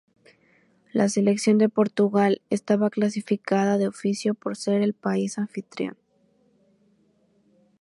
La Selección de Portugal estaba clasificada de oficio por ser el país anfitrión.